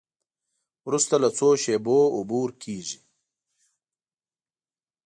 وروسته له څو شېبو اوبه ورکیږي.